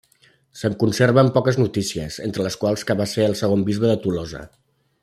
Se'n conserven poques notícies, entre les quals que va ser el segon bisbe de Tolosa.